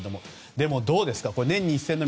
でも、どうですか年に１戦のみ。